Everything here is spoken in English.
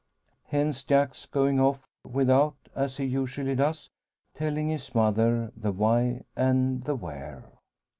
Hence, Jack's going off, without, as he usually does, telling his mother the why and the where.